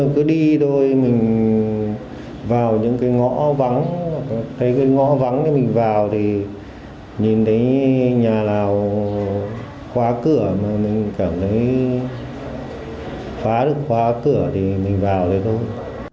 cứ đi thôi mình vào những cái ngõ vắng thấy cái ngõ vắng thì mình vào thì nhìn thấy nhà nào khóa cửa mà mình cảm thấy khóa được khóa cửa thì mình vào đấy thôi